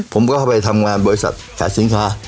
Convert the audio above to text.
ผมก็ไปทำงานบริษัทขาศิลปะ